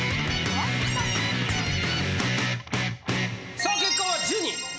さあ結果は１０人。